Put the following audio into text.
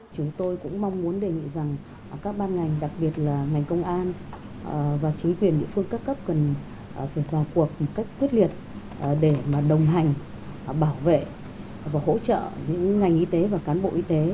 các ban ngành đặc biệt là ngành công an và chính quyền địa phương các cấp cần vào cuộc một cách quyết liệt để mà đồng hành bảo vệ và hỗ trợ những ngành y tế và cán bộ y tế